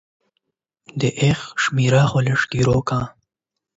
د هغه شميره خو لګه راکه.